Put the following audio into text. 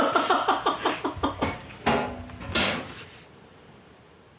ハハハハハハ！